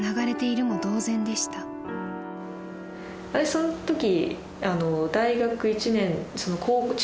そのとき。